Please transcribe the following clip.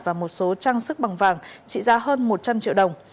và một số trang sức bằng vàng trị giá hơn một trăm linh triệu đồng